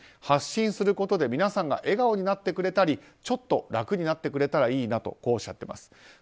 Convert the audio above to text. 発信することで皆さんが笑顔になってくれたりちょっと楽になってくれたらいいなとこうおっしゃっています。